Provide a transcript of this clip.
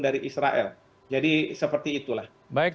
dari israel jadi seperti itulah